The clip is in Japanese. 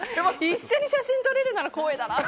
一緒に写真撮れるなら光栄だなと。